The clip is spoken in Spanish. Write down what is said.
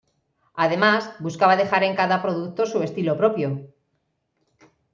Además, buscaba dejar en cada producto su estilo propio.